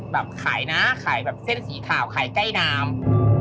แบบขายนะขายแบบเส้นสีขาวขายใกล้น้ำ